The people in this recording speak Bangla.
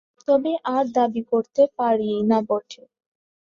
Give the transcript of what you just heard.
তবে আর দাবি করিতে পারি না বটে।